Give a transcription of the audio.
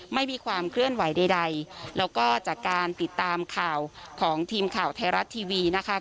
ไม่มีความเคลื่อนไหวใดแล้วก็จากการติดตามข่าวของทีมข่าวไทยรัฐทีวีนะคะ